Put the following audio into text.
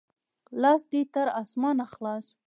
لاس دې تر اسمانه خلاص!